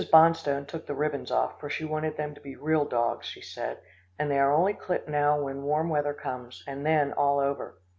Bonstone took the ribbons off, for she wanted them to be real dogs, she said, and they are only clipped now when warm weather comes, and then all over.